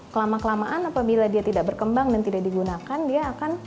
kelama kelamaan apabila dia tidak berkembang dan tidak digunakan dia akan